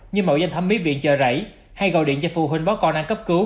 như mạo danh thẩm mỹ viện chờ rảy hay gọi điện cho phụ huynh báo con ăn cấp cứu